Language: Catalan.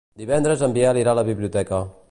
Divendres en Biel irà a la biblioteca.